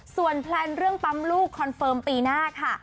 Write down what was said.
ส่วนแพลนเรื่องปั๊มลูกคอนเฟิร์มปีหน้าค่ะ